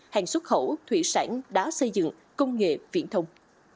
hàng xuất khẩu thủy sản đá xây dựng công nghệ viễn thông